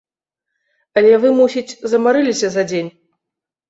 Але вы, мусіць, замарыліся за дзень?